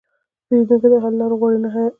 پیرودونکی د حل لاره غواړي، نه دلیل.